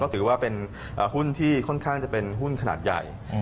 ถือว่าเป็นหุ้นที่ค่อนข้างจะเป็นหุ้นขนาดใหญ่